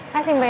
hah sih mbak ya